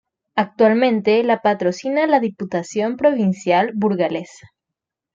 Actualmente la patrocina la Diputación Provincial burgalesa.